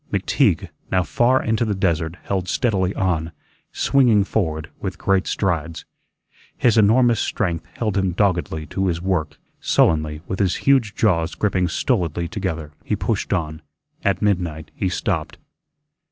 McTeague, now far into the desert, held steadily on, swinging forward with great strides. His enormous strength held him doggedly to his work. Sullenly, with his huge jaws gripping stolidly together, he pushed on. At midnight he stopped.